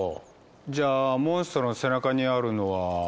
じゃあモンストロの背中にあるのは。